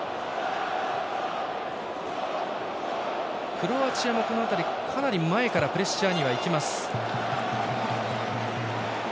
クロアチアも、この辺りかなり前からプレッシャーにはいきます。